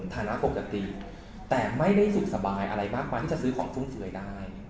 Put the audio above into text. ฐานะปกติแต่ไม่ได้สุขสบายอะไรมากมายที่จะซื้อของฟุ่มเฟือยได้